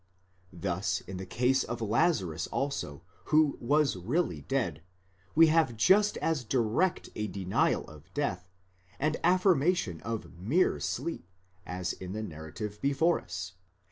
Thus in the case of Lazarus also, who was really dead, we have just as direct a denial of death, and affirmation of mere sleep, as in the narrative before us.